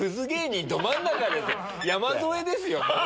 山添ですよ